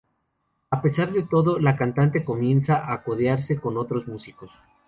A pesar de todo, la cantante comienza a codearse con otros músicos.